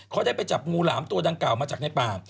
เขาได้ไปจับงูหลามตัวดังกล่ามาจากในป่า